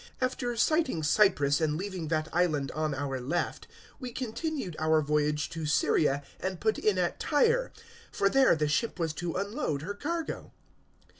021:003 After sighting Cyprus and leaving that island on our left, we continued our voyage to Syria and put in at Tyre; for there the ship was to unload her cargo.